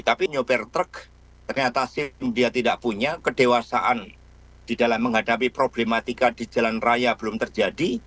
tapi nyopir truk ternyata dia tidak punya kedewasaan di dalam menghadapi problematika di jalan raya belum terjadi